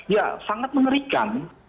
ya sangat mengerikan